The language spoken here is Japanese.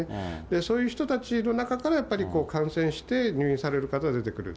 そういう人たちの中から、やっぱり感染して、入院される方が出てくる。